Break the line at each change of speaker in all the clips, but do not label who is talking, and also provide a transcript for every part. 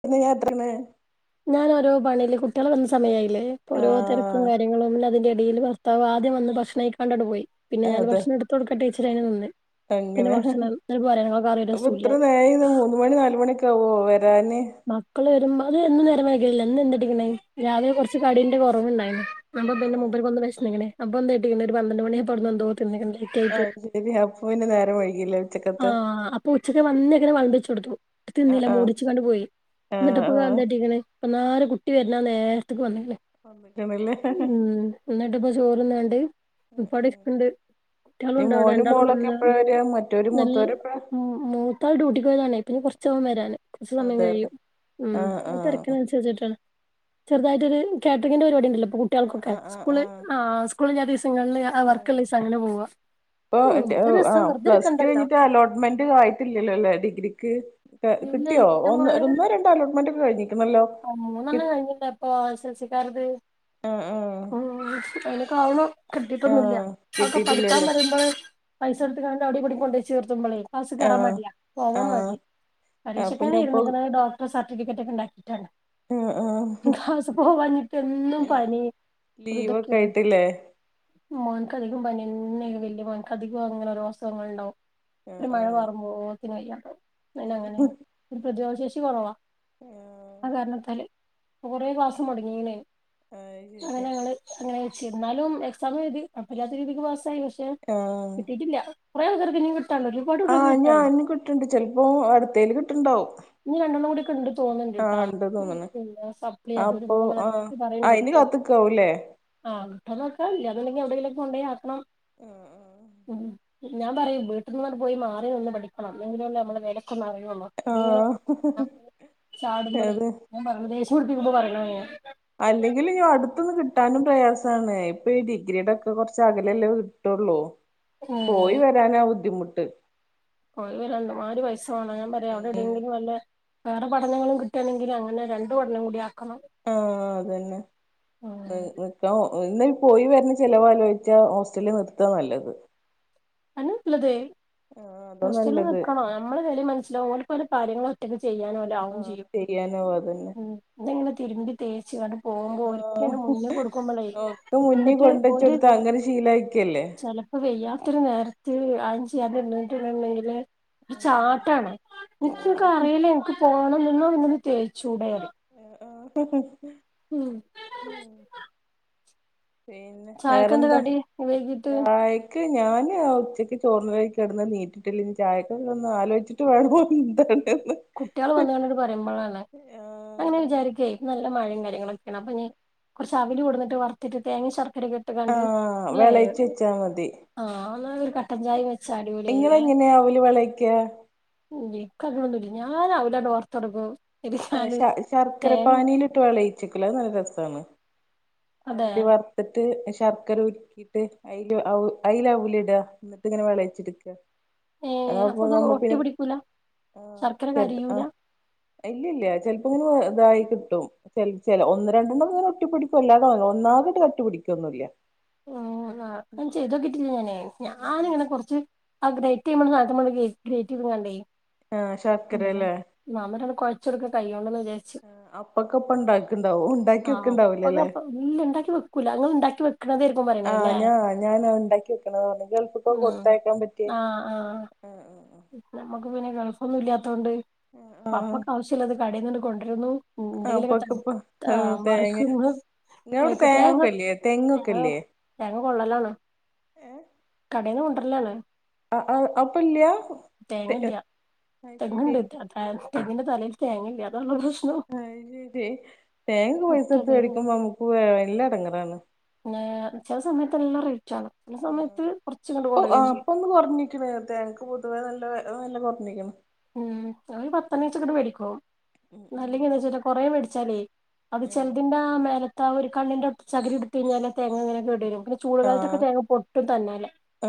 പിന്നെ യാത്രാണ്.
ഞാൻ ഓരോപണയയില് കുട്ടികൾ വര്ണ സമയായില്ലേ പ്പ ഓരോ തിരക്കും
ആഹ്
കാര്യങ്ങളും പിന്നെ അതിന്റെ എടിയിൽ ഭർത്താവ് ആദ്യം വന്ന് ഭക്ഷണം കഴിക്കാണ്ട് അങ്ങട് പോയി പിന്നെ ഞാൻ
അതെ
ഭക്ഷണംടുത്കൊടുക്കട്ട്ച്ച്ട്ട് അതിന് നിന്ന്. പിന്നെ
അങ്ങനെ
ഭക്ഷണം [unintelligible] കറി
അപ്പൊ
രസല്ല
ഇത്ര നേരായത് മൂന്ന് മണി നാല് മണിയൊക്കെ ആവോ വരാന്
മക്കള് വരുമ്പോ അത് എന്നും നേരം വൈകി വരില്ല എന്ന് എന്താ കാട്ടിക്കുന്നെ രാവിലെ കുറച്ച് കടിന്റെ കുറവുണ്ടായിരുന്നു. അപ്പൊ
ആഹ്
പിന്നെ
ആഹ്
മുപ്പര്ക്കൊന്ന് വേശ്ന്നെക്ക്ണ് അപ്പൊന്താട്ടി ഒരു പന്ത്രണ്ട്മണി ആയപ്പോ അവിടുന്ന് എന്തോ തിന്നുക്ക്ണ്
ആഹ് ശരി അപ്പോ പിന്നെ നേരം വൈകില്ലേ. ഉച്ചക്കത്തെ
ആഹ് അപ്പൊ ഉച്ചക്ക് വന്ന വഴിക്കന്നെ വെളമ്പി വെച്ച്കൊടുത്തു.
ആഹ്
തിന്നില്ല
ആഹ്
മൂടിവച്ച്ക്ക്ണ്ട് പോയി
ആഹ് ആഹ്
എന്നിട്ടിപ്പൊന്താട്ടിക്ക്ണ് എന്നാലും കുട്ടി വരുന്ന നേരതിക് വന്നിക്കുണ്
വന്നിക്കണല്ലേ
പ്പോ ചോറന്നാണ്ട് ഉപ്പ അവിടെ ഇരിക്കണ്ടേ കുട്ടികളും
ഈ
ഉണ്ടവിടെ
മോനും
രണ്ടാളും
മോളൊക്കെ
വന്ന
എപ്പഴാ വരാ മറ്റോര് മൂത്തോര് എപ്പഴാ
മൂത്താൾ ഡ്യൂട്ടിക്ക് പോയതാണ് പിന്നെ കുറച്ചാകും വരാന്. കുറച്ചു സമയം
അതെ അതെ
കഴിയും ഉം
ആഹ്
അത്
ആഹ്
തിരക്കങ്ങനുസരിച്ചിട്ടാണ്. ചെറുതായിട്ടൊരു കാറ്ററിങ്ങിന്റെ പരിപാടി ഉണ്ടല്ലോ
ആഹ്
കുട്ടികൾക്കൊക്കെ
ആഹ് ആഹ്
സ്കൂള്
ആഹ്
അ സ്കൂള് ഇല്ലാത്ത ദിവസം ങ്ങളിൽ ആ
ഉം
വർക്കള്ളസം അങ്ങനെ പോവുക
ഇപ്പൊ
ഉം ഇത് രസം
ആഹ് പ്ലസ് ടു
വെർധെരിക്കണ്ടല്ലോ.
കഴിഞ്ഞിട്ട് അലോട്ട്മെന്റ് ആയിട്ടില്ലല്ലോല്ലേ ഡിഗ്രിക്ക്.
ഇല്ലേ
കിട്ടിയോ
എന്റെ
ഒന്ന്
മോന്
ഒന്ന് രണ്ടോ അലോട്ട്മെന്റ് ഒക്കെ കഴിഞ്ഞിരിക്കണല്ലോ? കി
ക്കാരുത് ഉം അതിനൊക്കെ ആവോ കിട്ടിട്ടൊന്നുമില്ല
ആഹ്
അതൊക്കെ പഠിക്കാൻ
കിട്ടിട്ടില്ലല്ലേ
പറയുമ്പോള് പൈസ കൊടുത്ത്കാണ്ട് അവിടെയും ഇവിടെയും കൊണ്ടു പോയി ചേർത്തുമ്പോളേ ക്ലാസ്സി കേറാൻ
ആഹ്
മടിയാ പോവാൻ
ആഹ്
മടി
അപ്പൊ
പരീക്ഷക്കന്നെ
ഞാൻപ്പൊ
ഇരുന്നുക്ക്ണ് ഡോക്ടർ സർട്ടിഫിക്കറ്റ് ഒക്കെ ഉണ്ടാക്കിട്ടാണ്
ആഹ് ആഹ്
ക്ലാസ്സിൽ പോവാനിട്ട് എന്നും പനി.
ലീവ്ക്കെ ആയിട്ടില്ലേ.
മോൻക്ക്ധികം പനിന്നെ വലിയ മോൻക്ക്ധികം അങ്ങനെഓരോ അസുഖങ്ങൾ ഉണ്ടാവും.
ആഹ്
ഒരു മഴ
ആഹ്
പാറ്പോത്തിന് വയ്യാണ്ടാവും അ
ആഹ് അത്
അങ്ങനെയാണ് ഒരു പ്രതിരോധം ശേഷി കുറവാ ആ കാരണത്താല്. കൊറേ ക്ലാസ് മുടങ്ങിയനെ അങ്ങനെ
ശരി
ഞങ്ങള് അങ്ങനെ. പക്ഷെ എന്നാലും എക്സാം എഴുതി കുഴപ്പമില്ലാതെ രീതിക്ക് പാസ്സായി പക്ഷെ
ആഹ്
കിട്ടിയിട്ടില്ല കുറെേ പേർക്ക് ഇനി.
ആഹ ഞാനും കിട്ടണ്ട് ചെലപ്പോ അടുത്തേല് കിട്ടണ്ടാവും.
ഇനി രണ്ടെണ്ണം കൂടി ഒക്കെണ്ട് തോന്നണ്ട് ട്ടാ
ഇണ്ട് തോന്ന്ണ്
പിന്നെ സപ്ല അത്ഇത്പറയണ്ട്.
കാത്തക്കാവല്ലേ.
ആ കിട്ടോ നോക്കാ അല്ലാ നിണ്ടെങ്കിൽ എവിടെങ്കിലോക്കെ കൊണ്ടോയാക്കണം
ആ ആഹ
ഉം ഞാൻ പറയും വീട്ട്ന്നാട്ട് പോയി മാറി നിന്ന് പഠിക്കണം എങ്കിലല്ലേ നമ്മളെ വെലയെക്കൊന്നറിയു യുന്ന് അല്ലെങ്കിലോ
ആഹ് അതെ
ഞാൻ പറഞ്ഞു ദേഷ്യം പിടിപ്പിക്കുമ്പോ പറയണ ഞാൻ
അല്ലെങ്കിൽ ഞാ അടുത്ത്ന്ന് കി കിട്ടാനും പ്രയാസാണ് ഇപ്പൊ ഈ ഡിഗ്രിയുടെക്കെ കുറച്ച് അകലല്ലേ കിട്ടുള്ളൂ പോയി വരാനാ ബുദ്ധിമുട്ട്
പോഴി വരാൻ എന്ത്മാതിര് പൈസ വേണം ഞാൻ പറയാ
ഉം
അവിടെവിടെങ്കിലും വല്ല വേറെ പഠനങ്ങളും കിട്ടയാണെങ്കിൽ അങ്ങനെ രണ്ട് പഠനം കൂടി ആ
ആ അതന്നെ നി നിക്കാ ഒന്ന് പോയി വരുന്ന ചെലവ്‌ ആലോയിച്ചാൽ ഹോസ്റ്റലിൽ നിർത്ത നല്ലത്
അന്നെനല്ലത്
ആഹ് അതാ
ഹോസ്റ്റല്ല്
നല്ലത്
നിക്കണം നമ്മളോരു വെലൊം മനസ്സിലവും ഓല്ക്കൊലെ കാര്യങ്ങളേറ്റ ചെയ്യാനോലാവും
ആഹ്
ചെയ്യും
ചെയ്യാനോ അതന്നെ
ഉം ഇതിങ്ങനെ തിരുമ്പി തേച്ച് ആട്ട്പോവുമ്പോ ഒരിക്കെന്നെ
ആഹ്
[unintelligible] കൊടുക്കുമ്പോളേ
ഒക്കെ മുന്നി
എന്നിട്ട്
കൊണ്ടച്ച്
ഒരു
കൊടുത്ത് അങ്ങനെ ശീലായിക്കല്ലേ
ചെലപ്പോ വെയാത്തോരു നൊ രത്ത് അയണ് ച്ചെയാത്തിരിന്നിട്ട്ണ്ടെങ്കില് ഒരു
ഉം ഉം
ചാട്ടാണ് നി [inaudible]
ആഹ്
ക്കറിയിലെ ഇന്ക്ക് പോണംന്ന് എന്നപിന്നൊന്ന് തേച്ചു ചൂടെറിയും
ആഹ്
ഉം
പിന്നെ
ചായക്കെന്താ
വേറെന്താ
കടി വൈകീട്ട്
ചായക്ക് ഞാൻ ആ ഉച്ചയ്ക്ക് ചോറിന്ന് പോയി കിടന്ന് നീറ്റിട്ടില്ല ഇനി ചായൊക്കെന്താന്ന് ആലോചിച്ചിട്ട് വേണം എന്താണ്
കുട്ട്യേൾ വന്ന് കണ്ട് പറയുമ്പോളാണ്
ആഹ്
ഞാനിങ്ങനെ
അതന്നെ
വിചാരിക്കെ ഇന്ന്ന മഴയും കാര്യങ്ങളൊക്കെയാണ് അപ്പോനി കുറച്ച് അവിൽ കെണ്ടു വന്നിട്ട് വറത്തിട്ട് തേങ്ങയും ശർ ചെരകിട്ട്കാണ്ട്
ആഹ്
ല്ലേ
വെളയിച്ച് വെച്ചാ മതി
ആ എന്നലേരു കട്ടൻ ചായയും വെ
നിങ്ങളെങ്ങനെയാ അവല് വിളക്ക്വാ
ഇന്ക്കങ്ങനെന്നുല്ല ഞാനാവില്ലണ്ട് വർത്തെടുക്കും
ആ ശ ശർക്കര പാനീയിലിട്ട് വെളയിച്ചെക്കല്ലോ അത് നല്ല രസാണ്
അതെ
അവല് വറുത്ത്ട്ട് ശ ശർക്കര ഉരുക്കിട്ട് അയിൽ അയിൽ അൗലിട എന്നിട്ട് ഇങ്ങനെ വിളയിച്ചെടുക്ക
ഏഹ് അപ്പൊ
അതപ്പ
ഇത്
നമ്മ
ഒട്ടി
പിന്നെ
പിടിക്കൂല
ആ
ശർക്കര
ചെറ്ത് ആ
കരിയൂല
ഇല്ല ഇല്ല ചെലപ്പോങ്ങനെ ഇതായി കിട്ടും [unintelligible] ഒന്ന് രണ്ടെണ്ണം ഇങ്ങനെ ഒട്ടി പിടിക്കും അല്ലാതെ ഒന്നാകട്ട് കട്ടി പിടിക്കൊന്നുല്ല
ഉ അ അങ്ങനെ ചെയ്തോക്കിട്ടില്ല ഞാനേ
ഉം ഉം
ഞാനിങ്ങനെ കൊറച്ച് ആ ഗ്രേറ്റേയ്‌ [unintelligible] സാനാത്ത്മട്ട് ഗ്രേറ്റെയ്ത് ങാണ്ടേ
ആഹ്
ഉം
ശർക്കരല്ലേ
[unintelligible] കുഴചോട്ക്ക കയ്യോണ്ടോന്
അപ്പക്കെപ്പണ്ടാക്ണ്ടാവോ ഉണ്ടാക്കി
ആഹ്
വെക്ക്ണ്ടാവൂലല്ലെ
അതൊക്കെ ഇല്ല ഇണ്ടാക്കി വെക്കൂല ഇങ്ങള് ഇണ്ടാക്കി വെക്കണതായിരിക്കും പറയണേ
ആ
ല്ലേ
ഞാ ഞാൻ ഉണ്ടാക്കി വെക്കണ [unintelligible] ഗൾഫ് കൊക്കെ
ഉം
കൊടുത്തയക്കാൻ പറ്റിയേ ആ
നമ്മുക്ക് പിന്നെ ഗൾഫൊന്നും ഇല്ലാത്തോണ്ട്
ആഹ്
അപ്പക്കാവശ്യള്ളത് കടയിൽന്നണ്ട് കൊണ്ടരുന്നു എന്തെങ്കിലൊക്കെ ത
അപ്പൊക്കപ്പ
ത
തേങ്ങ
മറിക്കുന്നു
നിങ്ങളവിടെ
കഴിക്കു തേങ്ങ
തേങ്ങൊക്കെല്ലേ
ആ
തെങ്ങൊക്കെല്ലേ
തെങ്ങ കൊള്ളലാണ് കടൊന്ന് കൊണ്ടരലാണ്
ആ ആ അപ്പല്ല അത്
തേങ്ങല്ല
ശരി
തെങ്ങണ്ട്
അത്
തെ തെങ്ങിൻ്റെ തലെൽ തെങ്ങല്ലന്നോള്ളു
അയിന് തെ തേങ്ങേക്കെ പൈസോട്ത്ത്
ഒറ്റക്കയോ
മേടിക്കുമ്പോ നമുക്ക് നല്ലെടങ്ങറാണ്
പിന്നെ വച്ചാ സമയത്ത് എല്ലാം റെ
ഉ പ്പേ
ചെയ്യും
അപ്പൊന്ന് കോറഞ്ഞിക്ക്ണ് [unintelligible] പൊതുവേ നല്ല ആ നല്ല കെറഞ്ക്ക്ണ്
ഉം ഒരു പത്തണ്ണീച്ചങ്ങട്ട് വെടിക്കും അല്ലെങ്കിന്താവെച്ചൽ കൊറെേ വേടിച്ചാലേ അത്
ആഹ്
ചെലതിൻ്റാ മേലത്ത ഒരു കണ്ണിന്റെ അവുട്ത്തെ ചകിരി ഇടുത്ത് കഴിഞ്ഞാ തേങ്ങങ്ങനൊ ക്കെട് വരും പിന്നെ ചൂട് കാലത്തൊക്കെ തേങ്ങ പൊട്ടും തന്യല്ലേ
ആ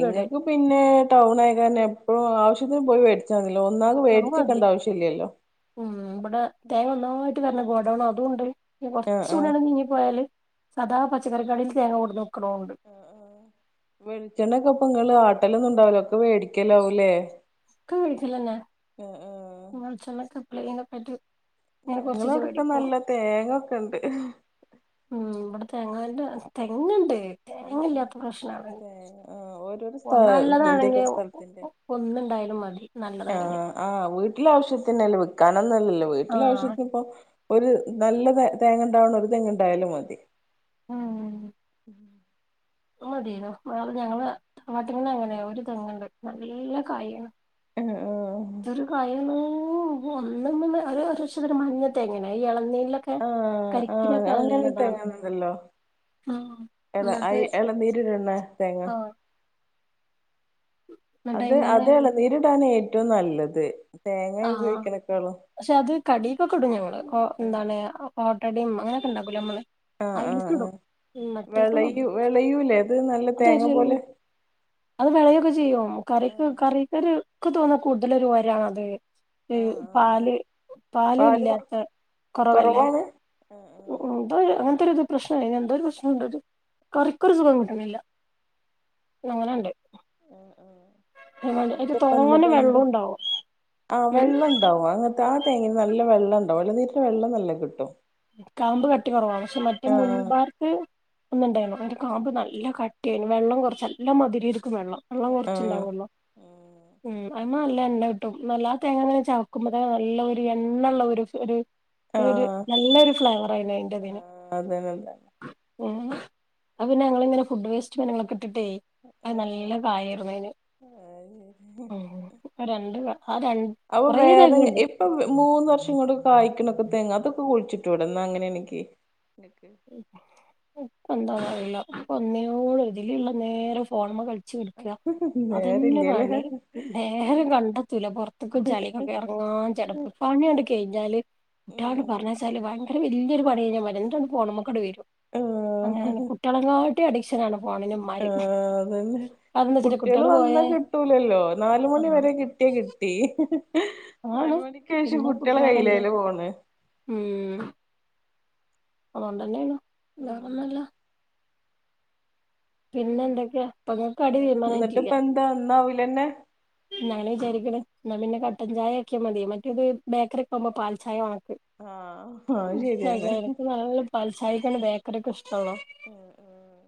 ഇങ്ങൾക്ക് പിന്നെ ടൗൺ ആയ കാരണം എപ്പോഴും ആവശ്യ പോയിേ വേടിച്ചാ മതിയല്ലോ ഒന്നാകെ മേടിച്ചെക്കണ്ട ആവശ്യമില്ലല്ലല്ലോ
ഉഇവിടെ തേങ്ങ ഒന്നായിട്ട് കൂടുന്ന ഗോഡൌൺ അതൂണ്ട് പിന്നെ
ആഹ് ആഹ്
കുറച്ചുകൂടിഅങ്ങ് നീങ്ങിപ്പോയാല് സദാ പച്ചക്കറിക്കടീൽ തേങ്ങ കൊടുന്നു
ആ ആ വെളിച്ചെണ്ണക്കെ ഇപ്പോ നിങ്ങൾ ആട്ടലൊന്നും ഉണ്ടാവൂല ഒക്കെ വാങ്ങിക്കൽ ആകും അല്ലേ
ക്ക [unintelligible] എപ്പോളെങ്കിലൊക്കായിട്ട്
ഞങ്ങളവിടക്ക നല്ല തേങ്ങൊക്കെ ഉണ്ട്
ഉം ഇവിടെ തെങ്ങ ൻ്റെ തെങ്ങണ്ട്
ഉം
തെങ്ങ്
ഉം
ഇല്ലാത്ത പ്രശ്നമാണ്
തേങ്ങ ആഹ് ഓരോരോ സ്ഥ
ന
ഇതിന്റെയൊക്കെ
ല്ലതാണെങ്കിൽ ഒന്ന്ണ്ടായൽ മതി
ആഹ
നല്ലതാണെങ്കി
ആഹ് വീട്ടിലെ ആവശ്യത്തിനല്ലേ വിക്കാനൊന്നുംല്ലല്ലോ വീട്ടില
ആഹ്
ആവശ്യത്തിന് ഇപ്പോൊ ഒരു നല്ല തേങ്ങ ഉണ്ടാവണം ഒരു തെങ്ങ്ണ്ടായാലും മതി
ആ അത് മതിയായുന്നു ഞങ്ങളെ തറവാട്ടിൽ അങ്ങനെ ഒരു തെങ്ങണ്ട് നല്ല കായാണ്
ആഹ് ആഹ്
ഇതൊരു [unintelligible] ഉം ഒന്നിൽ മഞ്ഞ തേങ്ങ യാണ് അത് ഇളനീൻ നു ലൊക്കേ
ആഹ് ആഹ്
കരിക്കൊക്കെ
അങ്ങനെ
നല്ലതാണ്
തേങ്ങ ഉണ്ടല്ലോ
ന്നിട്ട്
നേരിടുന്നെ തേങ്ങ
എന്നിട്ട്
അത്
അയിമന്ന്
അത് എളനീരിടാണ് ഏറ്റവും നല്ലത് തേങ്ങ
ആഹ
ഉപയോഗിക്കണേക്കാളും
പക്ഷെ അത് കടീക്കൊക്കെ ഇടോ കൊ എന്താണ് ആ ബടയും അങ്ങനൊക്കെണ്ടാക്കൂലേ നമ്മള്
ആഹ് ആഹ്
അയില്ക്ക്ടും
ആഹ്
ഉം മറ്റെകൊന്നും
വെളയു
ഇടൂല
വെളയൂലേ അത് നല്ല തേങ്ങ
അതൊരു
പോലെ
അത് വിളയൊക്കെ ചെയ്യോ കറിക്ക് കറിക്കൊരു ഇക്ക് തോന്നാ കൂടുതലൊരു ഒരാണത് ഹ് പാല് പാല് ഇല്ലാത്ത കുറവല്ലേ
കൊറവാണ് ആഹ്
ഉ ഉം എന്തൊരു അങ്ങനത്തോരു രു പ്രശ്നയിനു എന്തോരു പ്രശ്നണ്ടത് കറിക്കൊരു സുഖം കിട്ടണില്ല അങ്ങനെണ്ട് അയില്
എന്നിട്ട് പ
തോനെ
ഇന്ന്പ്പ ന്ത്
വെള്ളം ഉണ്ടാവും
ആഹ്
ഉം
വെള്ളം ഉണ്ടാവും അങ്ങനത്തെ ആ തേങ്ങെന്ന് നല്ല വെള്ളണ്ടാവും എളനീരിന്ന് വെള്ളം നല്ലം കിട്ടും
കാമ്പ് കട്ടി കുറവാ പക്ഷെ മറ്റേ
ആഹ്
മുൻപാർത്ത് ഒന്ന് ണ്ടായിന്ന് അയിൻ്റെ കാമ്പ് നല്ല കട്ടിയേർന്ന് വെള്ളം കൊർച്ച് നല്ല മദിരെ വെള്ളം വെള്ളം കൊർച്ച്
ആഹ്
ണ്ടാവ്വോള്ളു
ആഹ്
അയിമ്മ ൽല്ല എണ്ണ കിട്ടും നല്ലാ ആ തേങ്ങമ്മല് ചവക്കുമ്പോതന്നെ നല്ല ഒരു എണ്ണള്ളൊരു ഒരു
ആ
ഒരു
ഹ്
നല്ലൊരു ഫ്ലേവർ ആയിന് അയിൻ്റെ തിന്
അതന്നെ അതന്നെ
ഉ അദ് പിന്നെ ഞങ്ങിങ്ങനെ ഫുഡ് വേസ്റ്റ് ങ്ങളൊക്കെ ഇട്ടിട്ടേ അത്
ആഹ്
നല്ല കായെർന്ന് അയ്ൻ
[inaudible]
രണ്ട് ആ രണ്ട്
അപ്പൊ
കൊറേ
വേറെ
തെങ്ങുണ്ട്
ഇപ്പൊ വ്വ് മൂന്ന് കൊറച്ച് ഇങ്ങണ്ട് കായക്കണൊക്കെ തേങ്ങ അതൊക്കെ കുഴിച്ചിട്ടൂടെ ന്നാ അങ്ങനെണെങ്കി
ഇപ്പ ന്താ അറീല ഇപ്പ ഒന ഇതിലുള്ള നേരെ ഫോണമ്മ കഴിച്ച ച് അതന്നെ
നേരല്ല്യല്ലേ
പണി നേരം കണ്ടെത്തൂല പൊറത്തുക്കും ചളികൊക്കെ ഇറങ്ങാൻ ചടപ്പ് പണിയണ്ട് കഴിഞ്ഞാല് കുട്ടിയാലോട് പറഞ്ഞയച്ചാല് ഭയങ്കര വല്ല്യരു പണി കഴിഞ്ഞമാരിയാണ് ന്നിട്ട് ഫോണുമക്ക് അങ്ങനെ വരും
ആഹ്
അങ്ങനാണ് കുട്ടികളങ്ങാട്ടിം അ
ആഹ അതന്നെ
അതെന്താ വെച്ചിട്ടാ
കുട്ടികള് വന്നാ
പോയാ
കിട്ടൂലല്ലോ നാലുമണി
ആഹ്
വരെ കിട്ടി കിട്ടി ഹ് ഹ് ഹ് നാല്
ആണ്
മണിക്ക് ശേഷം
പിന്നെ
കുട്ടികളുടെ
കുട്ടികളല്ലേ
കൈയിലാണ് ഫോണ്
അതുകൊണ്ട ന്നെയണു
ഉം.
വേറോന്നും ല്ല എന്തൊക്കെയാ ഇപ്പൊ ഇങ്ങക്ക് കടി
വേറെ എന്നിട്ട് ഇപ്പോ എന്താ ഇന്നും അവിൽ തന്നെ
ഇന്നങ്ങനെ വിചാരിക്കുന്നത് നാ പിന്നെ കട്ടൻ ചായ ആക്കിയ മതി മറ്റേത് ബേക്കറി ഒക്കെ ആകുമ്പോൾ പാൽചായ വേണം
ആഹ്
ഉം
അത് ശരിയാണ്
ചെലോർക്ക് നല്ല പാൽ ചായ ഒക്കെ വേണ്ടിവരും തൊള്ളോ
ആഹ് ആഹ്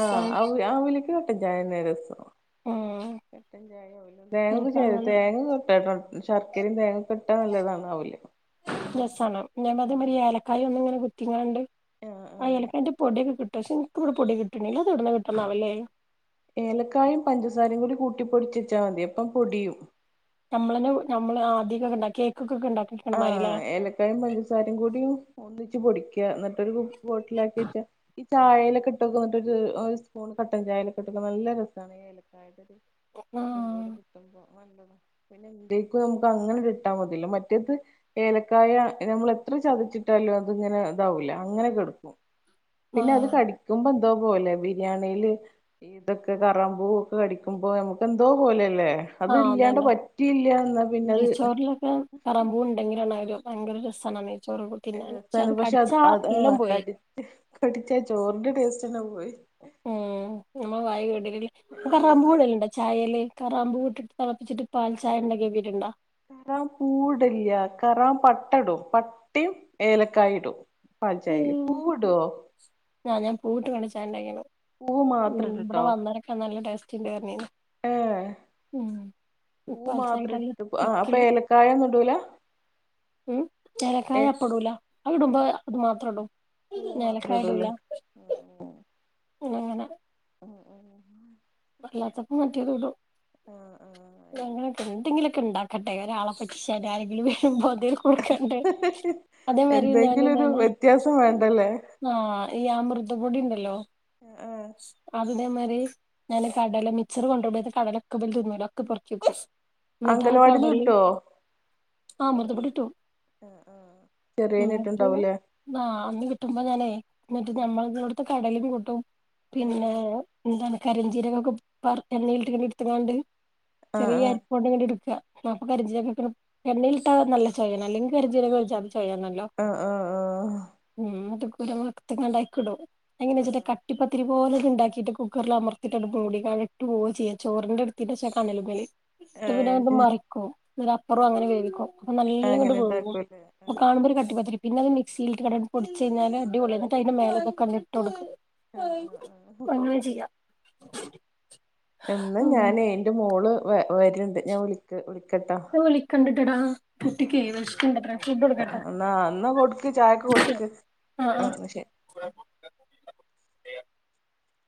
ആഹ് അവ അവില് ക്ക് കട്ടൻ ചായ തന്നെ രസം
ഉം
പെട്ടെന്ന് ചായ ആവല്ലോ
അങ്ങനെ
തേങ്ങൊക്കെ [unintelligible] ശർക്കരയും തേങ്ങ
രസാണ് ഞമ്മക്ക് ഇമ്മിണി ഏലക്കായ ഒന്നും ഇങ്ങനെ കുത്തിങ്ങാണ്ട് ആഹ് ഏലക്കാന്റെ പൊടിയൊക്കെ കിട്ടോ പക്ഷെ എനിക്ക് ഇവിടെ പൊടി കിട്ടണില്ലാ അത് എവിടന്നാ കിട്ടണെ ആവോ അല്ലേ
ഏലക്കായും പഞ്ചസാരയും കൂടി കൂട്ടി പൊടിച്ച വെച്ചാൽ മതി അപ്പം പൊടിയും
ഞമ്മളന് ഞമ്മള് ആദ്യം ഒക്കെ ഉണ്ടാക്കി കേക്ക്
ആഹ് ഏലക്കായും പഞ്ചസാരയും കൂടി ഒന്നിച്ച് പൊടിക്കുക എന്നിട്ടൊരു ബോട്ടിൽ ആക്കി വെച്ചാ ഈ ചായയിലൊക്കെ ഇട്ട് വെക്കുന്ന കൂട്ട് ഒര് ഒരു സ്പൂൺ കട്ടൻ ചായേലൊക്കെ ഇട്ട് ക്ക് നല്ല രസമാണ് ഈ ഏലക്കായ
ആഹ്
കിട്ടുമ്പോ നല്ലത് പിന്നെ എന്തേക്കും നമുക്ക് അങ്ങനെ ഒര് ഇട്ടാ മതീല്ലോ മറ്റേ മറ്റേത് ഏലക്കായ നമ്മൾ എത്ര ചതച്ചിട്ടാലും അത് ഇങ്ങനെ ഇതാവൂല അങ്ങനെ കെടുക്കും പിന്നെ അത്
ആഹ്
കടിക്കുമ്പം എന്തോ പോലെ ബിരിയാണിയില് ഇതൊക്കെ കറാമ്പൂവ് ഒക്കെ കടിക്കുമ്പോ നമുക്ക് എന്തോ പോലെയല്ലേ അത്
ആഹ്
ഇല്ലാണ്ട്
അതന്നെ
പറ്റിയില്ല എന്നാ പിന്നത്
എങ്ങനെ എന്ന് ആയാലും ഭയങ്കര രസാണ് ആ മീൻ
രസാണ് പക്ഷെ അത് അത്
എല്ലാം പോയി
കടി കടിച്ചാ ചോറിന്റെ ടേസ്റ്റ് തന്നെ പോയി
ഉം നമ്മ വായ [unintelligible] ചായേല് കറാമ്പ് കൂട്ടിട്ട് തിളപ്പിച്ചിട്ട് പാൽ ചായ ഉണ്ടാക്കി നോക്കീട്ടുണ്ടോ
കറാം പൂടില്ല കറാം പട്ട ഇടും പട്ടയും ഏലക്കായും ഇടും പഞ്ചായല്
ഉം
പൂവിടുവോ
ആ ഞാൻ പൂവിട്ട് വേണം
പൂവ് മാത്രം
ഉം ഇവിടെ
ഇട്ടിട്ടോ
വന്നവരൊക്കെ നല്ല ടേസ്റ്റ്ണ്ട് പറഞ്ഞ്
ഏഹ് പൂ
പാൽച്ചായക്ക്
മാത്രം
നല്ല
ഇട്ട് ആഹ് അപ്പൊ
തിക്കില്
ഏലക്കായൊന്നും ഇടൂലാ
ഉം ഏലക്കായ അപ്പം ഇടൂല അതിടുമ്പോ അത് മാ ത്രം
പൂവ്
ഇടും
മാത്രം
ഏലക്കായ ഇടൂല
ഇടൂലേ
എങ്ങനെ
ആഹ്
അല്ലാത്തപ്പം മറ്റേതും ഇടും
ആഹ്
എന്തെങ്കില് ഉണ്ടാക്കട്ടെ ഒരാളെ [unintelligible] ആരെങ്കിലും വേണുമ്പോ അന്തേും കൊടുക്കണ്ടെ അതേമാതിരി ഞാൻ
എന്തെങ്കിലും ഒരു
എന്താണ്
വ്യത്യാസം വേണ്ടല്ലേ
ആഹ് ഈ അമൃതംപൊടി ഉണ്ടല്ലോ
ആഹ്
ആഹ് അതേ മാതിരി ഞാന് കടല മിച്ചറ് കൊണ്ടോ [unintelligible] കടലൊക്കെ വലി [unintelligible] തിന്നൂല ഒക്കെ എന്നിട്ട് ആ
അംഗലവാടിന്ന്
കടല്
കിട്ടോ
ആഹ് [unintelligible]
ആഹ് ആഹ് ചെറിയേന്
എന്നിട്ട്
കിട്ട്ണ്ടാവൂലേ
ആഹ് അന്ന് കിട്ടുമ്പം ഞാനേ എന്നിട്ട് ഞമ്മളതു കടലും കൂട്ടവും
ആഹ്
പിന്നെ എന്താണ് കരിഞ്ചീരകൊക്കെ വറ എണ്ണയിലിട്ട് ഇങ്ങനെ എടുത്തങ്ങാണ്ട് ചെറിയ
ആഹ്
അരിപ്പ കൊണ്ട് ഇങ്ങനെ എടുക്കാ അപ്പം കരിചീരകം ഇട്ടാ എണ്ണയിലിട്ടാ നല്ല ചായയാ അല്ലെങ്കി കരിഞ്ചീരകം ഒഴിച്ചാ കഴിയാണല്ലോ
ആഹ് ആഹ് ആഹ് ആഹ്
ഉം [unintelligible] എങ്ങനെ വെച്ചിട്ട് ഇത്തിരി പോലം ഇത് ഉണ്ടാക്കിയിട്ട് കുക്കറിൽ അമർത്തിട്ടും അങ്ങട് മൂടി [unintelligible] ചെയ്യുക [unintelligible] ചോറിന്റെടുത്തിട്ട്
ആഹ്
ഇഷ്ടം പിന്ന അങ്ങട്ട്
ആഹ്
മാറിക്കോ എന്നര അപ്പുറം
ആഹ്
അങ്ങനെ വേവിക്കോ അപ്പൊ നല്ല ഇങ്ങോട്ട്
അങ്ങനെ
വേവും
ഇണ്ടാക്കൂലേ
അപ്പം കാണുമ്പം ഒരു
ആഹ്
കട്ടി മാതിരി പിന്നെ അത് മിക്സിയിൽ ഇട്ട് [unintelligible] പൊടിച്ച് കഴിഞ്ഞാല് അടിപൊളി അതിന്റെ മേലേക്ക് ഒക്കെ ഒന്ന് ഇട്ട് കൊടുക്കും
ആഹ് ആഹ്
അങ്ങനെയും ചെയ്യാം
എന്ന്
ഉം
ഞാനെ എന്റെ മോള് വ വരുണ്ട് ഞാൻ വിളിക്ക് വിളി ക്കാട്ടോ
ഞാൻ വിളിക്കണ്ട്ട്ടടാ
ആഹ്
കുട്ടിക്കേ
ആഹ് ശരി
വിശക്കണ്ടത്രേ ഫുഡ്
ആയിക്കോട്ടെ
കൊടുക്കട്ടെ
എന്നാ കൊടുക്ക് ചായ കൊ കൊടുക്ക്
ആഹ്
ആഹ് ശരി